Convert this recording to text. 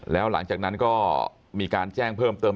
แล้วหลังจากนั้นก็มีการแจ้งเพิ่มเติม